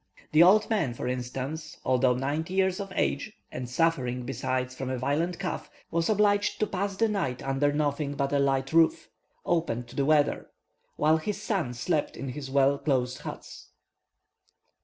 The old man, for instance, although ninety years of age, and suffering besides from a violent cough, was obliged to pass the night under nothing but a light roof, open to the weather, while his son slept in his well closed huts.